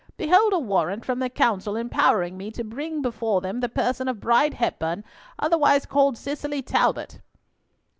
Behold a warrant from the Council empowering me to bring before them the person of Bride Hepburn, otherwise called Cicely Talbot."